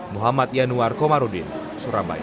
muhammad yanuar komarudin surabaya